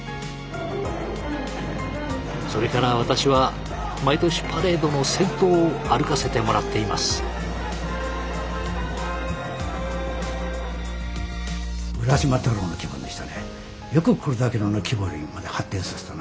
それから私は毎年パレードの先頭を歩かせてもらっています。と思っています。